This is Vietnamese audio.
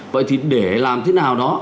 vậy thì để làm thế nào đó